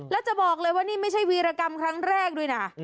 แล้วจะบอกเลยว่านี่ไม่ใช่วีรกรรมครั้งแรกด้วยนะ